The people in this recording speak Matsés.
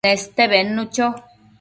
Neste bednu cho